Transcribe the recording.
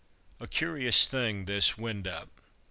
A curious thing, this "wind up."